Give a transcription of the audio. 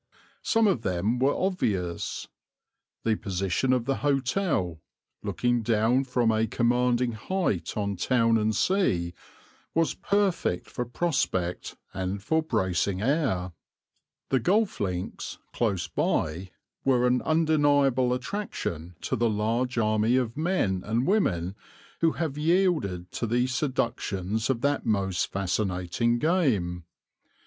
Some of them were obvious. The position of the hotel, looking down from a commanding height on town and sea, was perfect for prospect and for bracing air; the golf links, close by, were an undeniable attraction to the large army of men and women who have yielded to the seductions of that most fascinating game.